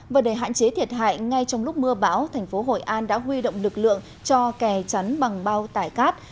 và để hạn chế thiệt hại ngay trong lúc mưa bão thành phố hội an đã huy động lực lượng cho kè chắn bằng bao tải cát